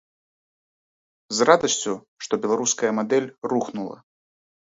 З радасцю, што беларуская мадэль рухнула.